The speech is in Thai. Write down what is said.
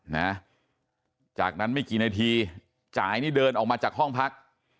นะจากนั้นไม่กี่นาทีจ่ายนี่เดินออกมาจากห้องพัก